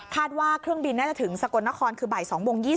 ว่าเครื่องบินน่าจะถึงสกลนครคือบ่าย๒โมง๒๐